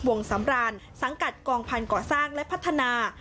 สำรานสังกัดกองพันธ์ก่อสร้างและพัฒนา